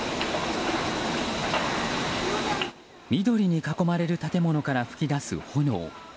緑に囲まれる建物から噴き出す炎。